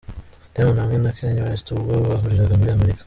Diamond hamwe na Kanye West ubwo bahuriraga muri Amerika.